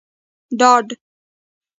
ډاډ